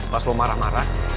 pas lu marah marah